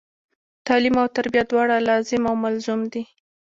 تعلم او تربیه دواړه لاظم او ملظوم دي.